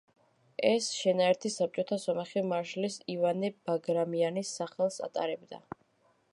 ეს შენაერთი საბჭოთა სომეხი მარშლის ივანე ბაგრამიანის სახელს ატარებდა.